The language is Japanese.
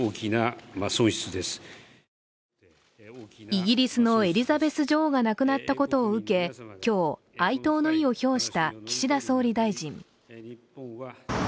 イギリスのエリザベス女王が亡くなったことを受け、今日、哀悼の意を表した岸田総理大臣。